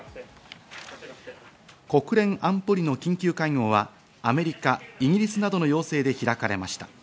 国連安保理の緊急会合は、アメリカ、イギリスなどの要請で開かれました。